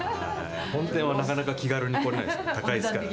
本店はなかなか気軽に来れないです、高いですから。